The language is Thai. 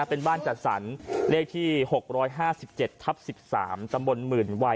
เป็นบ้านจัดสรรเลขที่๖๕๗ทับ๑๓ตำบลหมื่นวัย